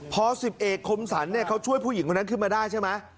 พอ๑๐เอกคมสรรเขาช่วยผู้หญิงคนนั้นขึ้นมาได้ใช่ไหม